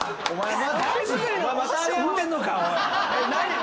お前。